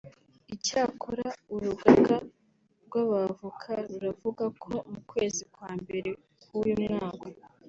Icyakora Urugaga rw’Abavoka ruravuga ko mu kwezi kwa mbere k’uyu mwaka